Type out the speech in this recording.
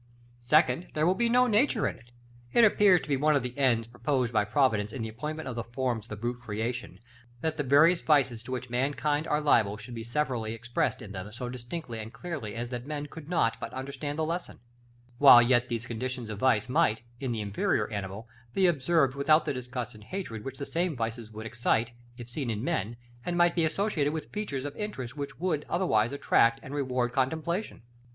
Secondly, there will be no Nature in it. It appears to be one of the ends proposed by Providence in the appointment of the forms of the brute creation, that the various vices to which mankind are liable should be severally expressed in them so distinctly and clearly as that men could not but understand the lesson; while yet these conditions of vice might, in the inferior animal, be observed without the disgust and hatred which the same vices would excite, if seen in men, and might be associated with features of interest which would otherwise attract and reward contemplation.